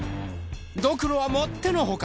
ドクロはもってのほか。